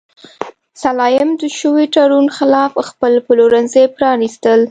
سلایم د شوي تړون خلاف خپل پلورنځي پرانیستل.